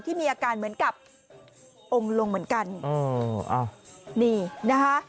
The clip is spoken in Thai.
ที่มีอาการเหมือนกับองค์ลงเหมือนกันเอออ้าวนี่นะคะ